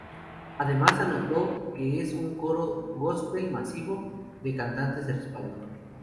Además anotó que es como "un coro góspel masivo" de cantantes de respaldo.